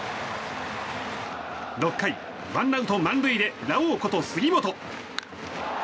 ６回、１アウト満塁でラオウこと杉本。